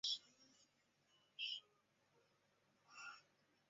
蒙古化色目人。